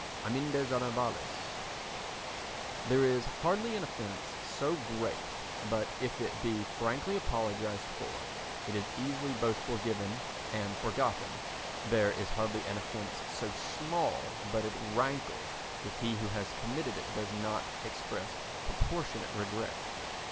Amendes Honorables There is hardly an offence so great but if it be frankly apologised for it is easily both forgiven and forgotten. There is hardly an offence so small but it rankles if he who has committed it does not express proportionate regret.